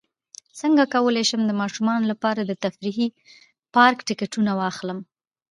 څنګه کولی شم د ماشومانو لپاره د تفریحي پارک ټکټونه واخلم